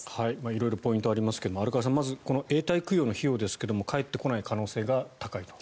色々ポイントはありますが荒川さん、まずこの永代供養の費用ですが返ってこない可能性が高いと。